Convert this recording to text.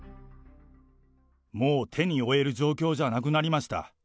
もう手に負える状況じゃなくなりました。